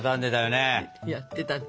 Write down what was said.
やってたね。